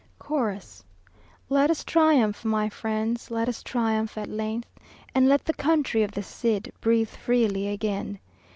CHORUS. Let us triumph, my friends, Let us triumph at length, And let the country of the Cid Breathe freely again.